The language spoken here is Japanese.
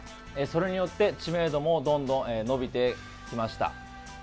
それによって知名度もどんどん伸びてきました。